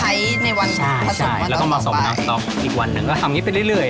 ใช่ใช่แล้วก็ผสมงานต่อไปอีกวันหนึ่งก็ได้ไปเรื่อย